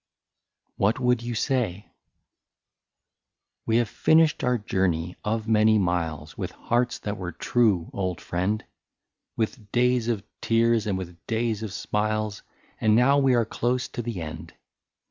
34 WHAT WOULD YOU SAY ? "We have finished our journey of many miles, With hearts that were true, old friend, With days of tears and days of smiles, And now we are close to the end.